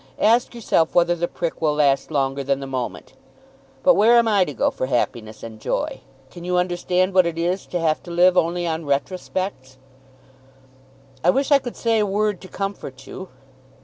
Ask yourself whether the prick will last longer than the moment. But where am I to go for happiness and joy? Can you understand what it is to have to live only on retrospects?" "I wish I could say a word to comfort you."